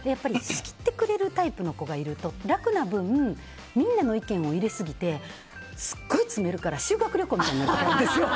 仕切ってくれるタイプの子がいると、楽な分みんなの意見を入れすぎてすごい詰めるから修学旅行みたいになっちゃうんですよ。